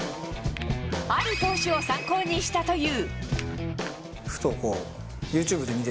ある投手を参考にしたという。